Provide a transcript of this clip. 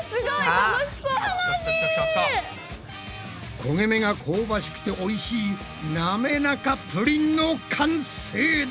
こげ目が香ばしくておいしいなめらかプリンの完成だ！